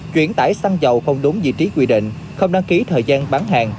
chuyển tải xăng dầu không đúng vị trí quy định không đăng ký thời gian bán hàng